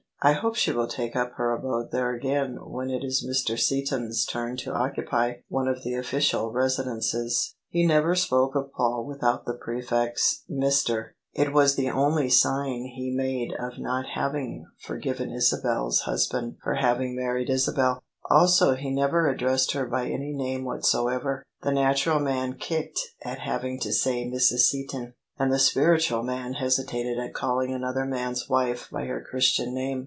" I hope she will take up her abode there again when it is Mr. Seaton's turn to occupy one of the official residences." He never THE SUBJECTION spoke of Paul without the prefix " Mr." It was the only sign he made of not having forgiven Isabel's husband for having married Isabel. Also he never addressed her by any name whatsoever; the natural man kicked at having to say " Mrs. Seaton," and the spiritual man hesitated at calling another man's wife by her Christian name.